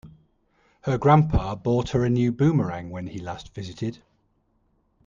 Her grandpa bought her a new boomerang when he last visited.